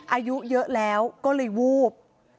อายุเยอะแล้วก็เลยวูบ